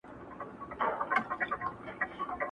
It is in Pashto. جادوګر دانې را وایستې دباندي-